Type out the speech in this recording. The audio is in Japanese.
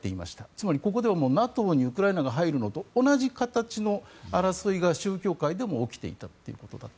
つまり、ここでもＮＡＴＯにウクライナが入るのと同じ形の争いが宗教界でも起きていたと。